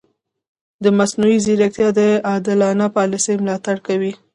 مصنوعي ځیرکتیا د عادلانه پالیسي ملاتړ کوي.